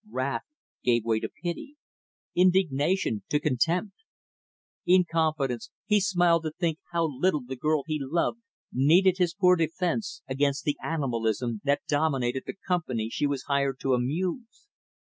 Wrath gave way to pity; indignation to contempt. In confidence, he smiled to think how little the girl he loved needed his poor defense against the animalism that dominated the company she was hired to amuse.